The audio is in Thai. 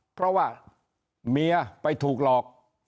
เพราะว่าเมียไปถูกหลอก